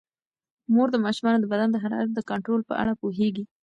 مور د ماشومانو د بدن د حرارت د کنټرول په اړه پوهیږي.